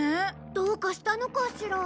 どうかしたのかしら？